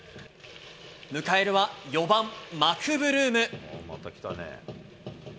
迎えるは４番マクブルーム。